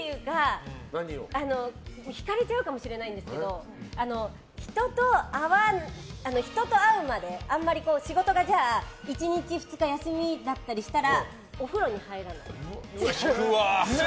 引かれちゃうかもしれないんですけど人と会うまであんまり仕事が１日２日休みだったりしたらお風呂に入らない。